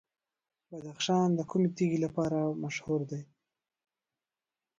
بدخشان د کومې تیږې لپاره مشهور دی؟